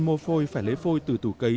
mô phôi phải lấy phôi từ tủ cấy